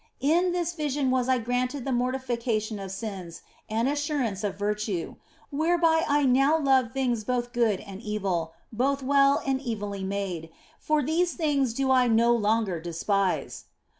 In this vision was I granted the mortification of sins and assurance of virtue, whereby I now love things both good and evil, both well and evilly made, for these things do I no longer despise.